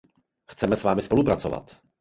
Chceme s vámi spolupracovat.